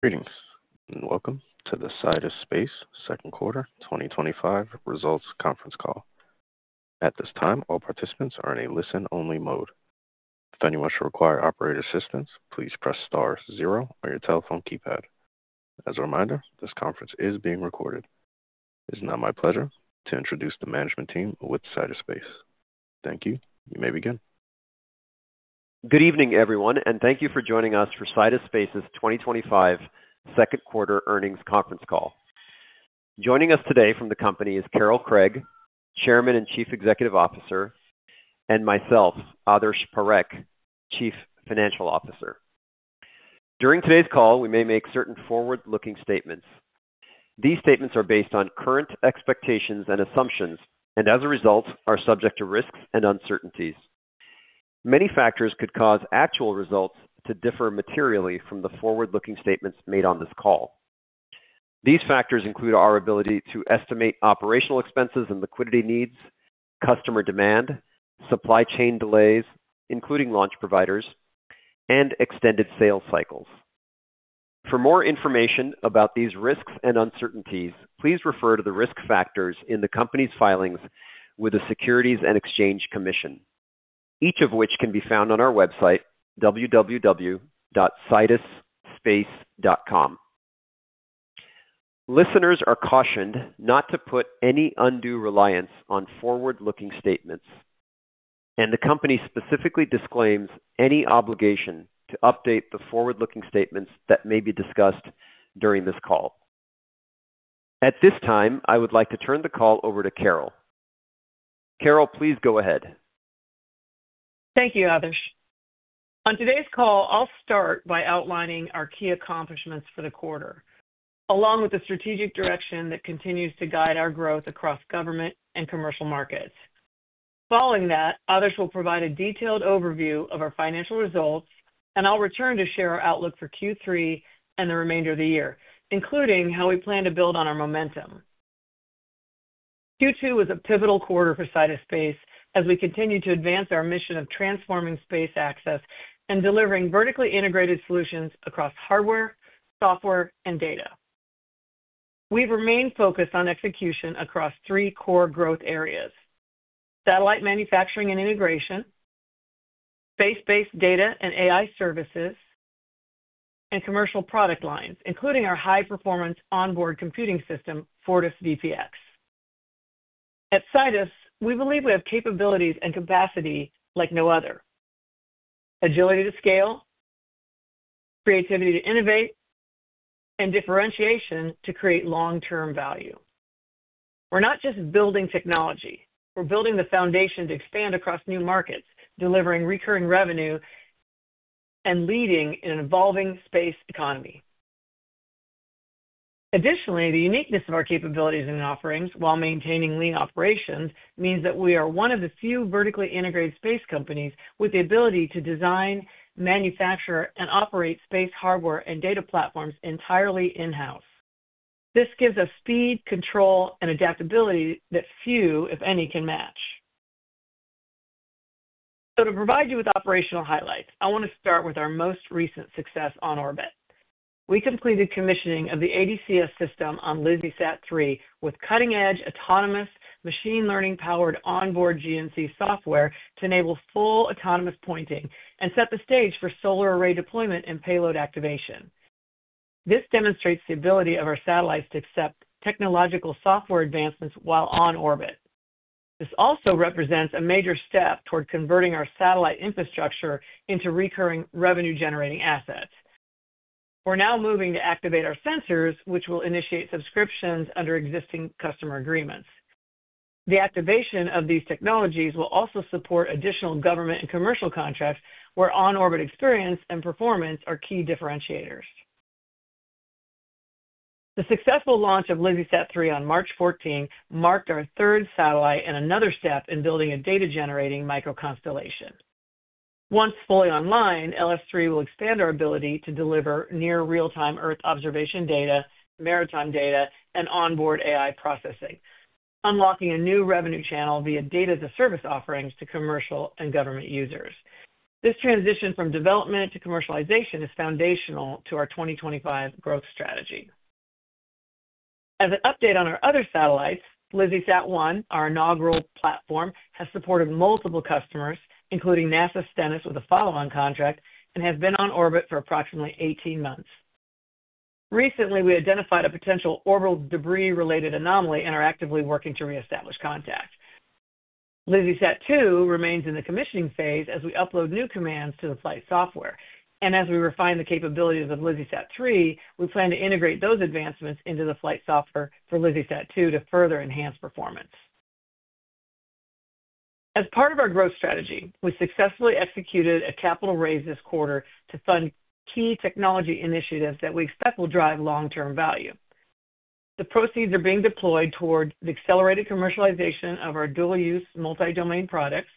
Greetings and welcome to the Sidus Space Second Quarter 2025 Results Conference Call. At this time, all participants are in a listen-only mode. If anyone should require operator assistance, please press star zero on your telephone keypad. As a reminder, this conference is being recorded. It is now my pleasure to introduce the management team with Sidus Space. Thank you. You may begin. Good evening, everyone, and thank you for joining us for Sidus Space's 2025 Second Quarter Earnings Conference Call. Joining us today from the company is Carol Craig, Chairman and Chief Executive Officer, and myself, Adarsh Parekh, Chief Financial Officer. During today's call, we may make certain forward-looking statements. These statements are based on current expectations and assumptions, and as a result, are subject to risks and uncertainties. Many factors could cause actual results to differ materially from the forward-looking statements made on this call. These factors include our ability to estimate operational expenses and liquidity needs, customer demand, supply chain delays, including launch providers, and extended sales cycles. For more information about these risks and uncertainties, please refer to the risk factors in the company's filings with the Securities and Exchange Commission, each of which can be found on our website, www.sidusspace.com. Listeners are cautioned not to put any undue reliance on forward-looking statements, and the company specifically disclaims any obligation to update the forward-looking statements that may be discussed during this call. At this time, I would like to turn the call over to Carol. Carol, please go ahead. Thank you, Adarsh. On today's call, I'll start by outlining our key accomplishments for the quarter, along with the strategic direction that continues to guide our growth across government and commercial markets. Following that, Adarsh will provide a detailed overview of our financial results, and I'll return to share our outlook for Q3 and the remainder of the year, including how we plan to build on our momentum. Q2 was a pivotal quarter for Sidus Space as we continued to advance our mission of transforming space access and delivering vertically integrated solutions across hardware, software, and data. We've remained focused on execution across three core growth areas: satellite manufacturing and integration, space-based data and AI services, and commercial product lines, including our high-performance onboard computing system, Fortis VPX. At Sidus, we believe we have capabilities and capacity like no other: agility to scale, creativity to innovate, and differentiation to create long-term value. We're not just building technology; we're building the foundation to expand across new markets, delivering recurring revenue, and leading in an evolving space economy. Additionally, the uniqueness of our capabilities and offerings, while maintaining lean operations, means that we are one of the few vertically integrated space companies with the ability to design, manufacture, and operate space hardware and data platforms entirely in-house. This gives us speed, control, and adaptability that few, if any, can match. To provide you with operational highlights, I want to start with our most recent success on orbit. We completed commissioning of the ADCS system on LizzieSat-3 with cutting-edge, autonomous, machine-learning-powered onboard GNC software to enable full autonomous pointing and set the stage for solar array deployment and payload activation. This demonstrates the ability of our satellites to accept technological software advancements while on orbit. This also represents a major step toward converting our satellite infrastructure into recurring revenue-generating assets. We're now moving to activate our sensors, which will initiate subscriptions under existing customer agreements. The activation of these technologies will also support additional government and commercial contracts where on-orbit experience and performance are key differentiators. The successful launch of LizzieSat-3 on March 14th marked our third satellite and another step in building a data-generating microconstellation. Once fully online, LS-3 will expand our ability to deliver near-real-time Earth observation data, maritime data, and onboard AI processing, unlocking a new revenue channel via data-as-a-service offerings to commercial and government users. This transition from development to commercialization is foundational to our 2025 growth strategy. As an update on our other satellites, LizzieSat-1, our inaugural platform, has supported multiple customers, including NASA Stennis with a follow-on contract, and has been on orbit for approximately 18 months. Recently, we identified a potential orbital debris-related anomaly and are actively working to reestablish contact. LizzieSat-2 remains in the commissioning phase as we upload new commands to the flight software, and as we refine the capabilities of LizzieSat-3, we plan to integrate those advancements into the flight software for LizzieSat-2 to further enhance performance. As part of our growth strategy, we successfully executed a capital raise this quarter to fund key technology initiatives that we expect will drive long-term value. The proceeds are being deployed toward the accelerated commercialization of our dual-use multi-domain products,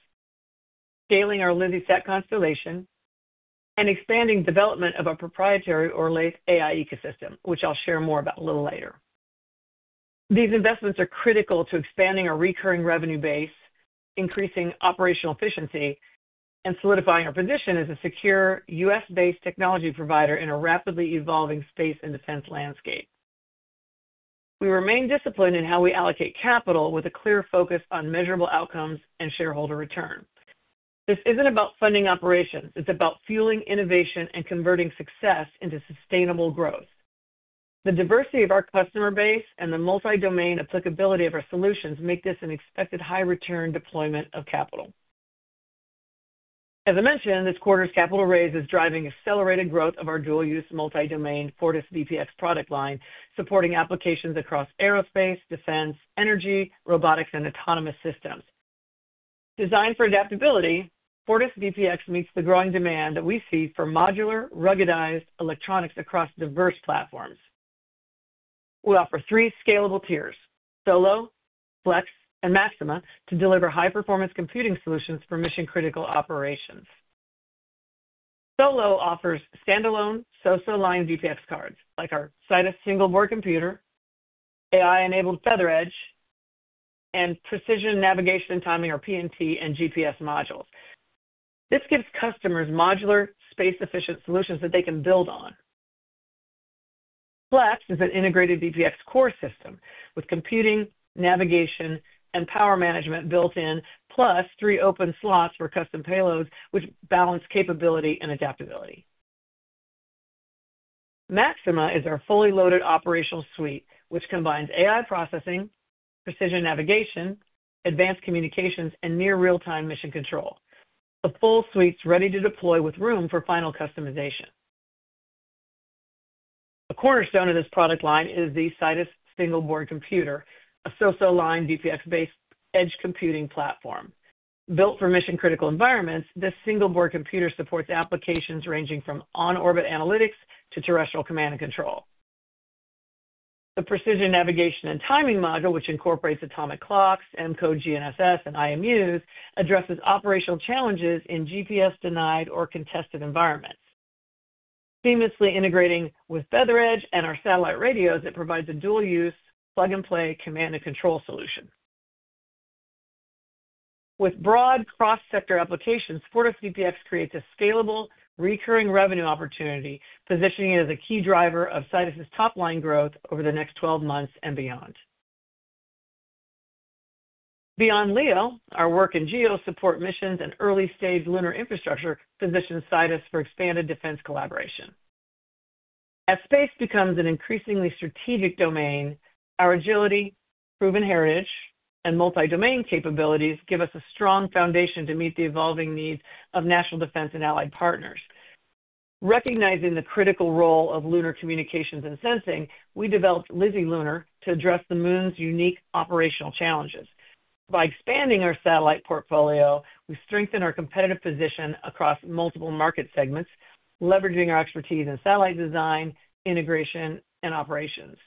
scaling our LizzieSat constellation, and expanding development of a proprietary Orlaith AI Ecosystem, which I'll share more about a little later. These investments are critical to expanding our recurring revenue base, increasing operational efficiency, and solidifying our position as a secure U.S.-based technology provider in a rapidly evolving space and defense landscape. We remain disciplined in how we allocate capital with a clear focus on measurable outcomes and shareholder return. This isn't about funding operations; it's about fueling innovation and converting success into sustainable growth. The diversity of our customer base and the multi-domain applicability of our solutions make this an expected high-return deployment of capital. As I mentioned, this quarter's capital raise is driving accelerated growth of our dual-use multi-domain Fortis VPX product line, supporting applications across aerospace, defense, energy, robotics, and autonomous systems. Designed for adaptability, Fortis VPX meets the growing demand that we see for modular, ruggedized electronics across diverse platforms. We offer three scalable tiers: Solo, Flex, and Maxima to deliver high-performance computing solutions for mission-critical operations. Solo offers standalone SOSA-aligned VPX cards, like our Sidus single board computer, AI-enabled FeatherEdge, and precision navigation and timing, our PNT and GPS modules. This gives customers modular, space-efficient solutions that they can build on. Flex is an integrated VPX core system with computing, navigation, and power management built in, plus three open slots for custom payloads, which balance capability and adaptability. Maxima is our fully loaded operational suite, which combines AI processing, precision navigation, advanced communications, and near real-time mission control. The full suite is ready to deploy with room for final customization. A cornerstone of this product line is the Sidus single board computer, a SOSA-aligned VPX-based edge computing platform. Built for mission-critical environments, this single board computer supports applications ranging from on-orbit analytics to terrestrial command and control. The precision navigation and timing module, which incorporates atomic clocks, M-Code GNSS, and IMUs, addresses operational challenges in GPS-denied or contested environments. Seamlessly integrating with FeatherEdge and our satellite radios, it provides a dual-use, plug-and-play command and control solution. With broad cross-sector applications, Fortis VPX creates a scalable, recurring revenue opportunity, positioning it as a key driver of Sidus's top-line growth over the next 12 months and beyond. Beyond LEO, our work in GEO-support missions and early-stage lunar infrastructure positions Sidus for expanded defense collaboration. As space becomes an increasingly strategic domain, our agility, proven heritage, and multi-domain capabilities give us a strong foundation to meet the evolving needs of national defense and allied partners. Recognizing the critical role of lunar communications and sensing, we developed LunarLizzie to address the moon's unique operational challenges. By expanding our satellite portfolio, we strengthen our competitive position across multiple market segments, leveraging our expertise in satellite design, integration, and operations.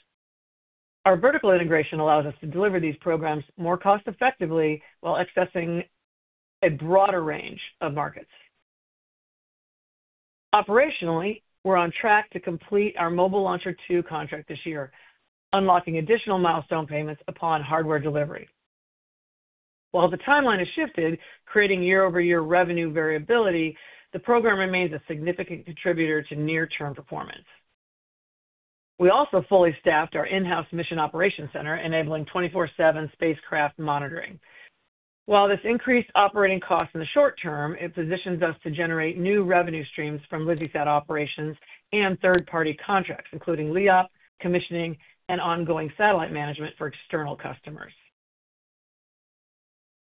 Our vertical integration allows us to deliver these programs more cost-effectively while accessing a broader range of markets. Operationally, we're on track to complete our Mobile Launcher 2 contract this year, unlocking additional milestone payments upon hardware delivery. While the timeline has shifted, creating year-over-year revenue variability, the program remains a significant contributor to near-term performance. We also fully staffed our in-house mission operations center, enabling 24/7 spacecraft monitoring. While this increased operating cost in the short term, it positions us to generate new revenue streams from LizzieSat operations and third-party contracts, including LEOP, commissioning, and ongoing satellite management for external customers.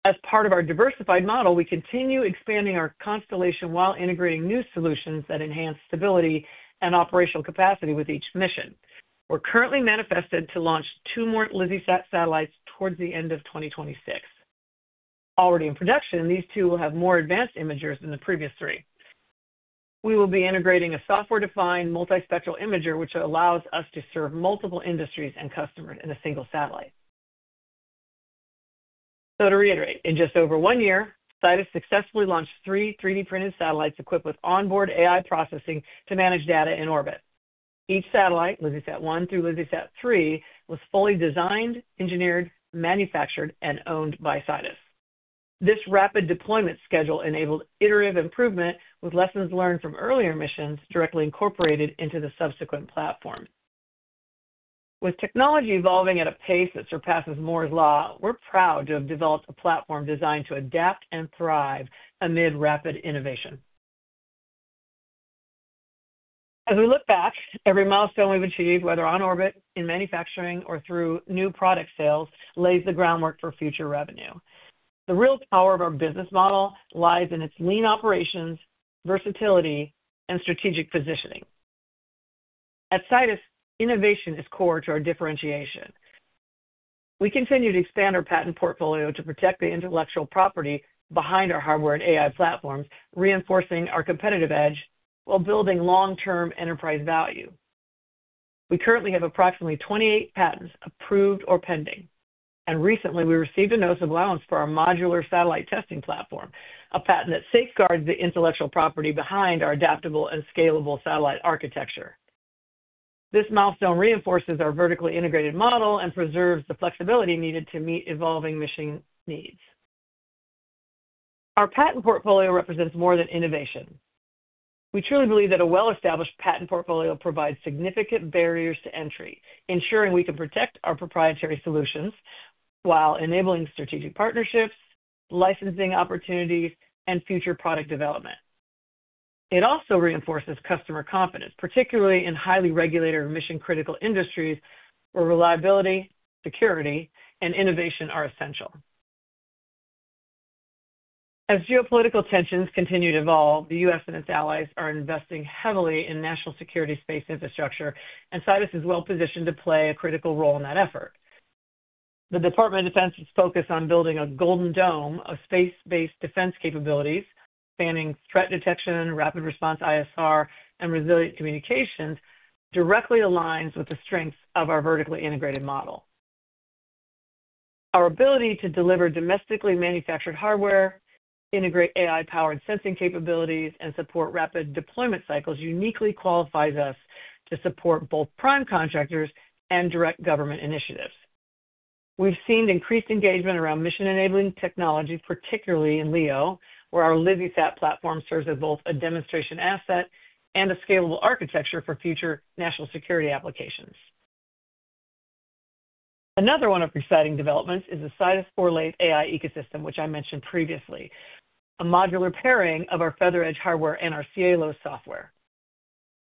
As part of our diversified model, we continue expanding our constellation while integrating new solutions that enhance stability and operational capacity with each mission. We're currently manifested to launch two more LizzieSat satellites towards the end of 2026. Already in production, these two will have more advanced imagers than the previous three. We will be integrating a software-defined multi-spectral imager, which allows us to serve multiple industries and customers in a single satellite. To reiterate, in just over one year, Sidus successfully launched three 3D printed satellites equipped with onboard AI processing to manage data in orbit. Each satellite, LizzieSat-1 through LizzieSat-3, was fully designed, engineered, manufactured, and owned by Sidus. This rapid deployment schedule enabled iterative improvement with lessons learned from earlier missions directly incorporated into the subsequent platform. With technology evolving at a pace that surpasses Moore's Law, we're proud to have developed a platform designed to adapt and thrive amid rapid innovation. As we look back, every milestone we've achieved, whether on orbit, in manufacturing, or through new product sales, lays the groundwork for future revenue. The real power of our business model lies in its lean operations, versatility, and strategic positioning. At Sidus, innovation is core to our differentiation. We continue to expand our patent portfolio to protect the intellectual property behind our hardware and AI platforms, reinforcing our competitive edge while building long-term enterprise value. We currently have approximately 28 patents approved or pending, and recently we received a notice of allowance for our modular satellite testing platform, a patent that safeguards the intellectual property behind our adaptable and scalable satellite architecture. This milestone reinforces our vertically integrated model and preserves the flexibility needed to meet evolving mission needs. Our patent portfolio represents more than innovation. We truly believe that a well-established patent portfolio provides significant barriers to entry, ensuring we can protect our proprietary solutions while enabling strategic partnerships, licensing opportunities, and future product development. It also reinforces customer confidence, particularly in highly regulated or mission-critical industries where reliability, security, and innovation are essential. As geopolitical tensions continue to evolve, the U.S. and its allies are investing heavily in national security space infrastructure, and Sidus is well-positioned to play a critical role in that effort. The Department of Defense's focus on building a golden dome of space-based defense capabilities, spanning threat detection, rapid response ISR, and resilient communications, directly aligns with the strengths of our vertically integrated model. Our ability to deliver domestically manufactured hardware, integrate AI-powered sensing capabilities, and support rapid deployment cycles uniquely qualifies us to support both prime contractors and direct government initiatives. We've seen increased engagement around mission-enabling technology, particularly in LEO, where our LizzieSat platform serves as both a demonstration asset and a scalable architecture for future national security applications. Another one of the exciting developments is the Sidus Orlaith AI ecosystem, which I mentioned previously, a modular pairing of our FeatherEdge hardware and our Cielo software.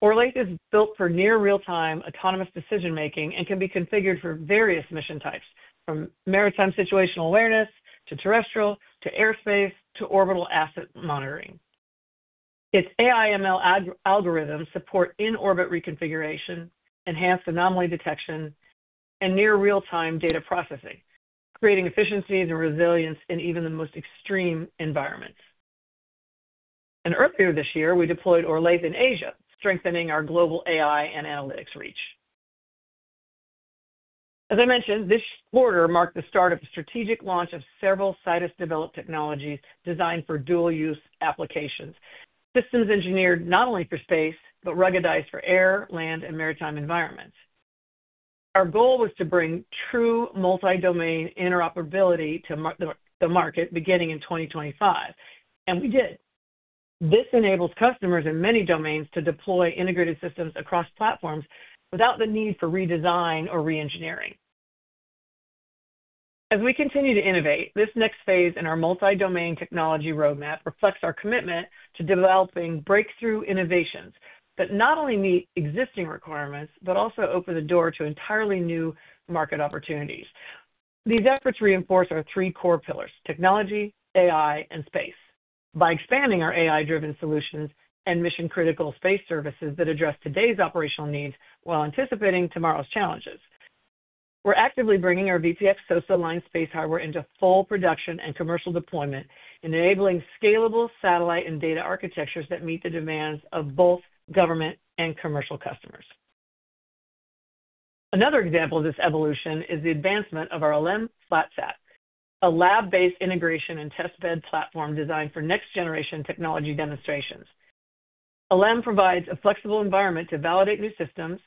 Orlaith is built for near real-time autonomous decision-making and can be configured for various mission types, from maritime situational awareness to terrestrial to airspace to orbital asset monitoring. Its AI/ML algorithms support in-orbit reconfiguration, enhanced anomaly detection, and near real-time data processing, creating efficiencies and resilience in even the most extreme environments. Earlier this year, we deployed Orlaith in Asia, strengthening our global AI and analytics reach. As I mentioned, this quarter marked the start of the strategic launch of several Sidus-developed technologies designed for dual-use applications, systems engineered not only for space but ruggedized for air, land, and maritime environments. Our goal was to bring true multi-domain interoperability to the market beginning in 2025, and we did. This enables customers in many domains to deploy integrated systems across platforms without the need for redesign or re-engineering. As we continue to innovate, this next phase in our multi-domain technology roadmap reflects our commitment to developing breakthrough innovations that not only meet existing requirements but also open the door to entirely new market opportunities. These efforts reinforce our three core pillars: technology, AI, and space. By expanding our AI-driven solutions and mission-critical space services that address today's operational needs while anticipating tomorrow's challenges, we're actively bringing our VPX SOSA-aligned space hardware into full production and commercial deployment, enabling scalable satellite and data architectures that meet the demands of both government and commercial customers. Another example of this evolution is the advancement of our LM FlatSat, a lab-based integration and testbed platform designed for next-generation technology demonstrations. LM provides a flexible environment to validate new systems,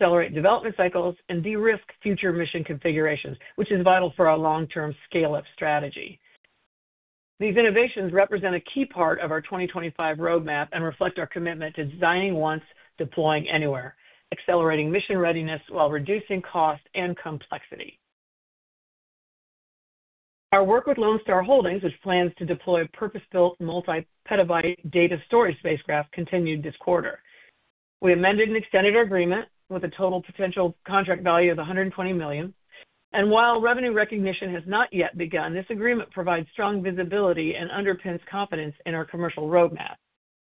accelerate development cycles, and de-risk future mission configurations, which is vital for our long-term scale-up strategy. These innovations represent a key part of our 2025 roadmap and reflect our commitment to designing once, deploying anywhere, accelerating mission readiness while reducing cost and complexity. Our work with Lonestar Holdings, which plans to deploy purpose-built multi-petabyte data storage spacecraft, continued this quarter. We amended and extended our agreement with a total potential contract value of $120 million. While revenue recognition has not yet begun, this agreement provides strong visibility and underpins confidence in our commercial roadmap.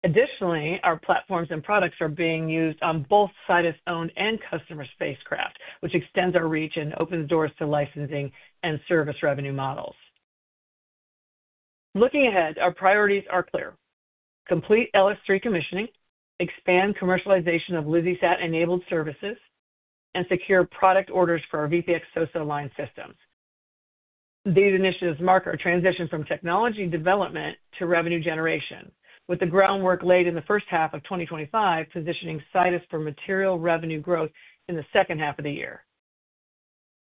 Additionally, our platforms and products are being used on both Sidus-owned and customer spacecraft, which extends our reach and opens doors to licensing and service revenue models. Looking ahead, our priorities are clear: complete LS-3 commissioning, expand commercialization of LizzieSat-enabled services, and secure product orders for our VPX SOSA-aligned systems. These initiatives mark our transition from technology development to revenue generation, with the groundwork laid in the first half of 2025, positioning Sidus for material revenue growth in the second half of the year.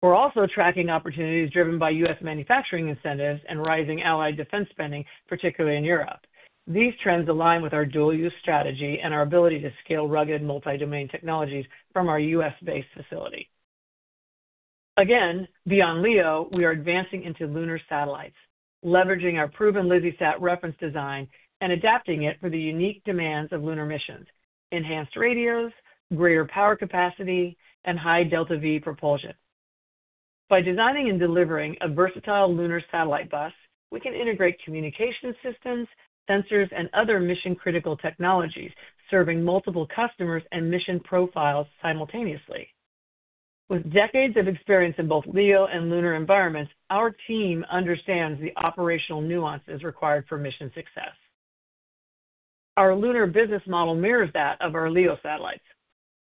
We're also tracking opportunities driven by U.S. manufacturing incentives and rising allied defense spending, particularly in Europe. These trends align with our dual-use strategy and our ability to scale rugged multi-domain technologies from our U.S.-based facility. Again, beyond LEO, we are advancing into lunar satellites, leveraging our proven LizzieSat reference design and adapting it for the unique demands of lunar missions: enhanced radios, greater power capacity, and high delta-v propulsion. By designing and delivering a versatile lunar satellite bus, we can integrate communication systems, sensors, and other mission-critical technologies, serving multiple customers and mission profiles simultaneously. With decades of experience in both LEO and lunar environments, our team understands the operational nuances required for mission success. Our lunar business model mirrors that of our LEO satellites.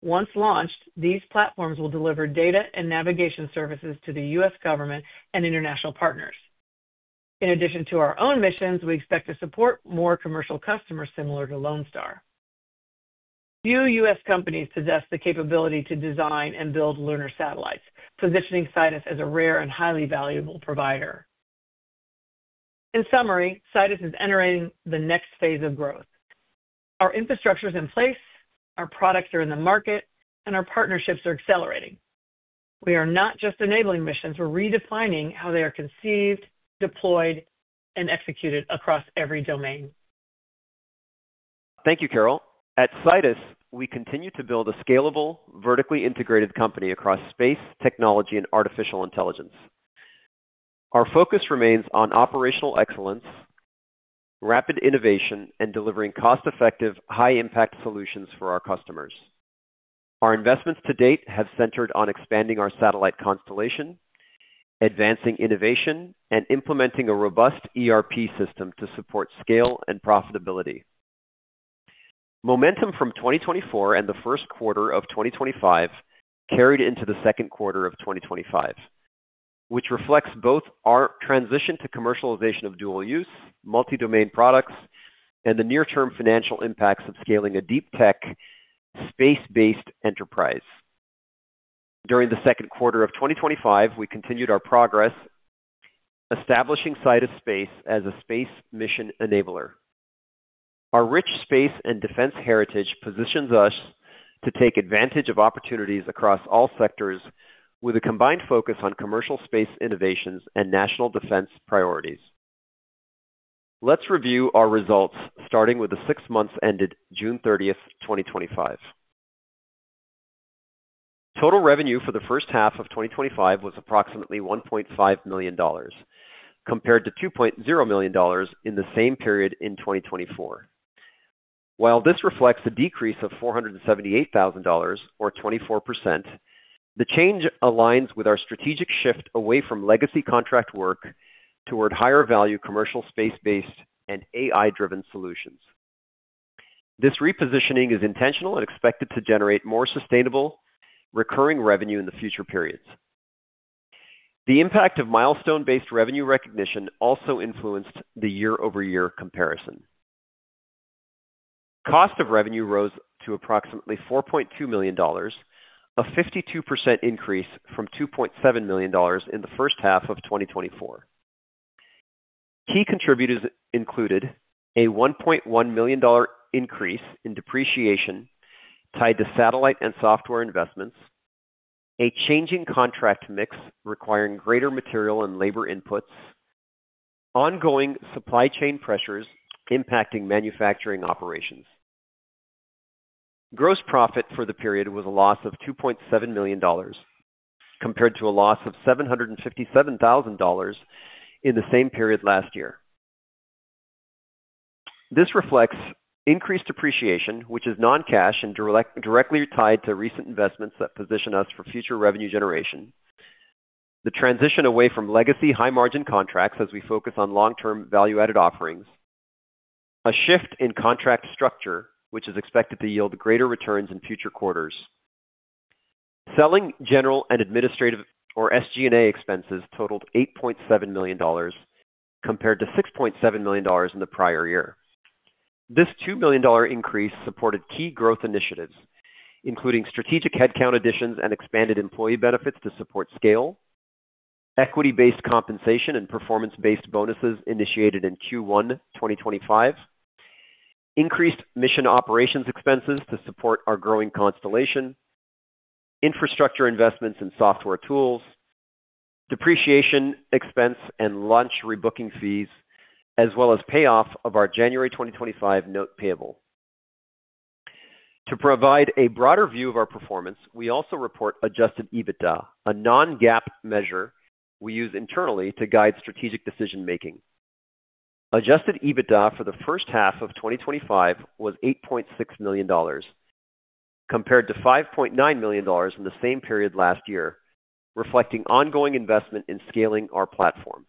Once launched, these platforms will deliver data and navigation services to the U.S. government and international partners. In addition to our own missions, we expect to support more commercial customers similar to Lonestar. Few U.S. companies possess the capability to design and build lunar satellites, positioning Sidus as a rare and highly valuable provider. In summary, Sidus is entering the next phase of growth. Our infrastructure is in place, our products are in the market, and our partnerships are accelerating. We are not just enabling missions; we're redefining how they are conceived, deployed, and executed across every domain. Thank you, Carol. At Sidus, we continue to build a scalable, vertically integrated company across space, technology, and artificial intelligence. Our focus remains on operational excellence, rapid innovation, and delivering cost-effective, high-impact solutions for our customers. Our investments to date have centered on expanding our satellite constellation, advancing innovation, and implementing a robust ERP system to support scale and profitability. Momentum from 2024 and the first quarter of 2025 carried into the second quarter of 2025, which reflects both our transition to commercialization of dual-use, multi-domain products and the near-term financial impacts of scaling a deep tech, space-based enterprise. During the second quarter of 2025, we continued our progress, establishing Sidus Space as a space mission enabler. Our rich space and defense heritage positions us to take advantage of opportunities across all sectors with a combined focus on commercial space innovations and national defense priorities. Let's review our results, starting with the six months ended June 30th, 2025. Total revenue for the first half of 2025 was approximately $1.5 million, compared to $2.0 million in the same period in 2024. While this reflects a decrease of $478,000, or 24%, the change aligns with our strategic shift away from legacy contract work toward higher-value commercial space-based and AI-driven solutions. This repositioning is intentional and expected to generate more sustainable, recurring revenue in future periods. The impact of milestone-based revenue recognition also influenced the year-over-year comparison. Cost of revenue rose to approximately $4.2 million, a 52% increase from $2.7 million in the first half of 2024. Key contributors included a $1.1 million increase in depreciation tied to satellite and software investments, a changing contract mix requiring greater material and labor inputs, and ongoing supply chain pressures impacting manufacturing operations. Gross profit for the period was a loss of $2.7 million, compared to a loss of $757,000 in the same period last year. This reflects increased depreciation, which is non-cash and directly tied to recent investments that position us for future revenue generation, the transition away from legacy high-margin contracts as we focus on long-term value-added offerings, and a shift in contract structure, which is expected to yield greater returns in future quarters. Selling, general, and administrative, or SG&A, expenses totaled $8.7 million, compared to $6.7 million in the prior year. This $2 million increase supported key growth initiatives, including strategic headcount additions and expanded employee benefits to support scale, equity-based compensation and performance-based bonuses initiated in Q1 2025, increased mission operations expenses to support our growing constellation, infrastructure investments in software tools, depreciation expense, and launch rebooking fees, as well as payoff of our January 2025 note payable. To provide a broader view of our performance, we also report adjusted EBITDA, a non-GAAP measure we use internally to guide strategic decision-making. Adjusted EBITDA for the first half of 2025 was $8.6 million, compared to $5.9 million in the same period last year, reflecting ongoing investment in scaling our platform.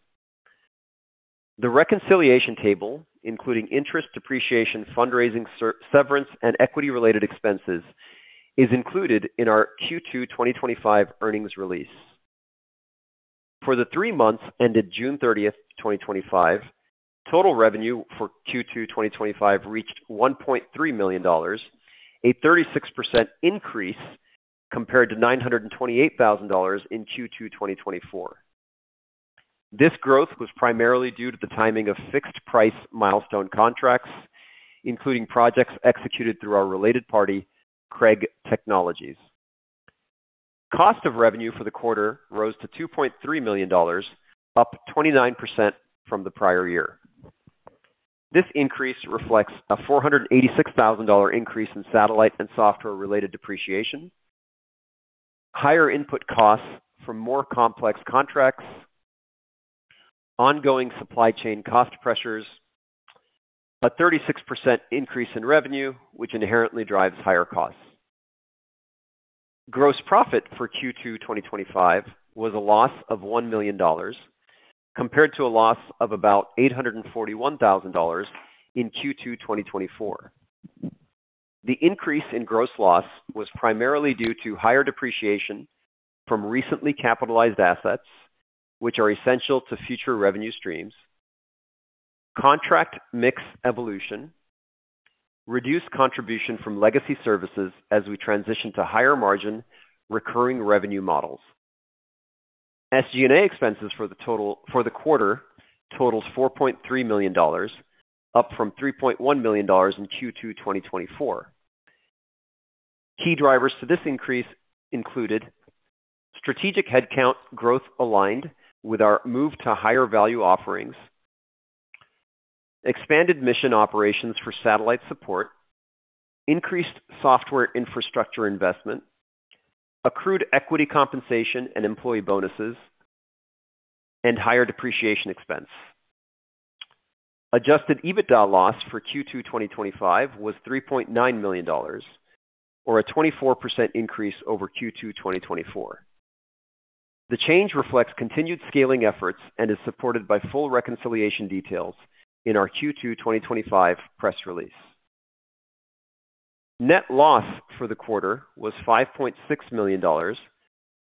The reconciliation table, including interest, depreciation, fundraising, severance, and equity-related expenses, is included in our Q2 2025 earnings release. For the three months ended June 30th, 2025, total revenue for Q2 2025 reached $1.3 million, a 36% increase compared to $928,000 in Q2 2024. This growth was primarily due to the timing of fixed-price milestone-based contracts, including projects executed through our related party, Craig Technologies. Cost of revenue for the quarter rose to $2.3 million, up 29% from the prior year. This increase reflects a $486,000 increase in satellite and software-related depreciation, higher input costs from more complex contracts, ongoing supply chain cost pressures, and a 36% increase in revenue, which inherently drives higher costs. Gross profit for Q2 2025 was a loss of $1 million, compared to a loss of about $841,000 in Q2 2024. The increase in gross loss was primarily due to higher depreciation from recently capitalized assets, which are essential to future revenue streams, contract mix evolution, and reduced contribution from legacy services as we transition to higher margin recurring revenue models. SG&A expenses for the quarter totaled $4.3 million, up from $3.1 million in Q2 2024. Key drivers to this increase included strategic headcount growth aligned with our move to higher value offerings, expanded mission operations for satellite support, increased software infrastructure investment, accrued equity compensation and employee bonuses, and higher depreciation expense. Adjusted EBITDA loss for Q2 2025 was $3.9 million, or a 24% increase over Q2 2024. The change reflects continued scaling efforts and is supported by full reconciliation details in our Q2 2025 press release. Net loss for the quarter was $5.6 million,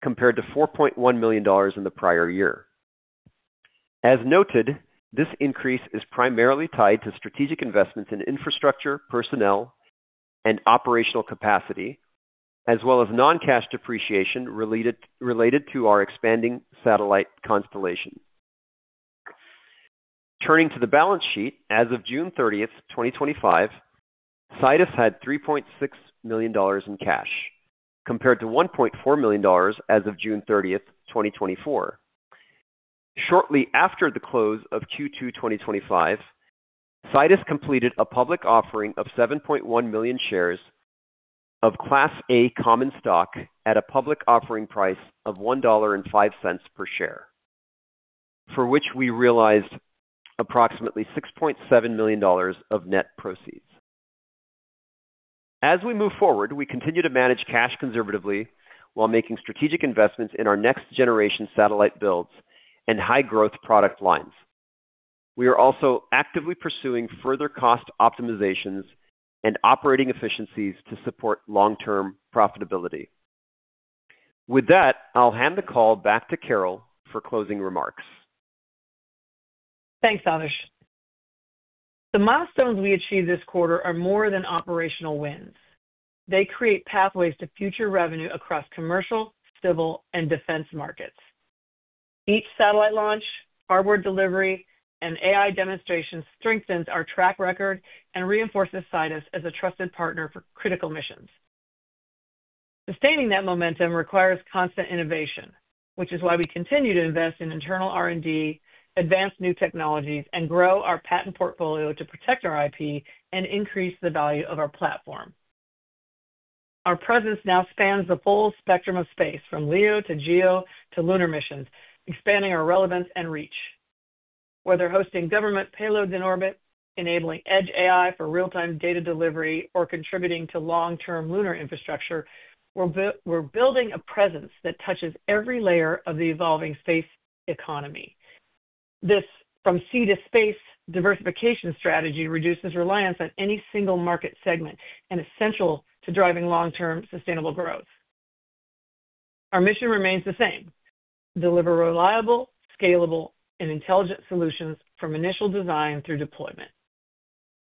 compared to $4.1 million in the prior year. As noted, this increase is primarily tied to strategic investments in infrastructure, personnel, and operational capacity, as well as non-cash depreciation related to our expanding satellite constellation. Turning to the balance sheet, as of June 30th, 2025, Sidus had $3.6 million in cash, compared to $1.4 million as of June 30th, 2024. Shortly after the close of Q2 2025, Sidus completed a public offering of 7.1 million shares of Class A common stock at a public offering price of $1.05 per share, for which we realized approximately $6.7 million of net proceeds. As we move forward, we continue to manage cash conservatively while making strategic investments in our next-generation satellite builds and high-growth product lines. We are also actively pursuing further cost optimizations and operating efficiencies to support long-term profitability. With that, I'll hand the call back to Carol for closing remarks. Thanks, Adarsh. The milestones we achieved this quarter are more than operational wins, they create pathways to future revenue across commercial, civil, and defense markets. Each satellite launch, hardware delivery, and AI demonstration strengthens our track record and reinforces Sidus as a trusted partner for critical missions. Sustaining that momentum requires constant innovation, which is why we continue to invest in internal R&D, advance new technologies, and grow our patent portfolio to protect our IP and increase the value of our platform. Our presence now spans the full spectrum of space, from LEO to GEO to lunar missions, expanding our relevance and reach. Whether hosting government payloads in orbit, enabling edge AI for real-time data delivery, or contributing to long-term lunar infrastructure, we're building a presence that touches every layer of the evolving space economy. This from sea to space diversification strategy reduces reliance on any single market segment and is essential to driving long-term sustainable growth. Our mission remains the same: deliver reliable, scalable, and intelligent solutions from initial design through deployment.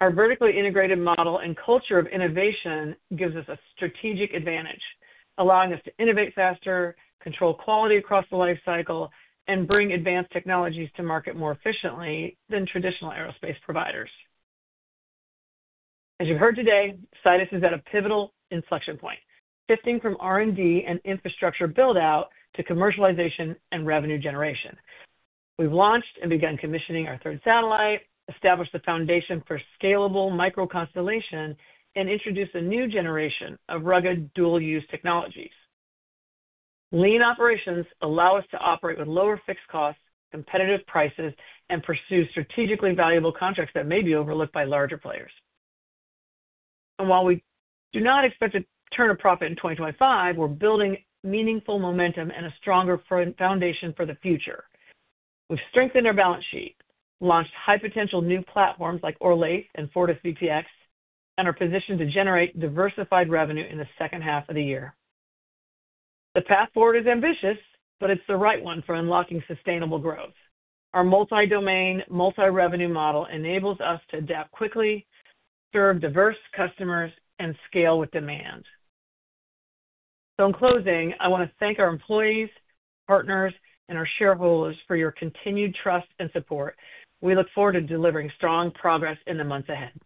Our vertically integrated model and culture of innovation give us a strategic advantage, allowing us to innovate faster, control quality across the lifecycle, and bring advanced technologies to market more efficiently than traditional aerospace providers. As you've heard today, Sidus is at a pivotal inflection point, shifting from R&D and infrastructure build-out to commercialization and revenue generation. We've launched and begun commissioning our third satellite, established the foundation for scalable microconstellation, and introduced a new generation of rugged dual-use technologies. Lean operations allow us to operate with lower fixed costs, competitive prices, and pursue strategically valuable contracts that may be overlooked by larger players. While we do not expect a turn of profit in 2025, we're building meaningful momentum and a stronger foundation for the future. We've strengthened our balance sheet, launched high-potential new platforms like Orlaith and Fortis VPX, and are positioned to generate diversified revenue in the second half of the year. The path forward is ambitious, but it's the right one for unlocking sustainable growth. Our multi-domain, multi-revenue model enables us to adapt quickly, serve diverse customers, and scale with demand. In closing, I want to thank our employees, partners, and our shareholders for your continued trust and support. We look forward to delivering strong progress in the months ahead.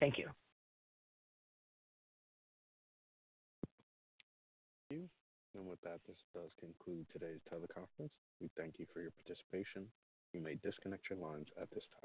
Thank you. Thank you. With that, this does conclude today's teleconference. We thank you for your participation. You may disconnect your lines at this time.